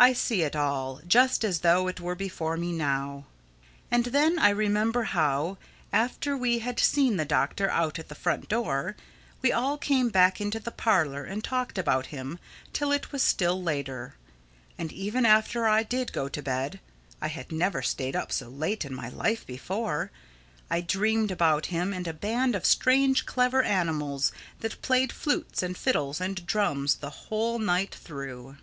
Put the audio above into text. I see it all, just as though it were before me now. And then I remember how, after we had seen the Doctor out at the front door, we all came back into the parlor and talked about him till it was still later; and even after I did go to bed (I had never stayed up so late in my life before) I dreamed about him and a band of strange clever animals that played flutes and fiddles and drums the whole night through.